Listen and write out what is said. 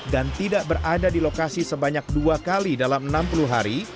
dan tidak berada di lokasi sebanyak dua kali dalam enam puluh hari